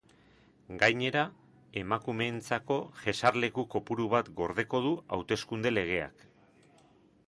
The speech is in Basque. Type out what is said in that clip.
Gainera, emakumeentzako jesarleku kopuru bat gordeko du hauteskunde legeak.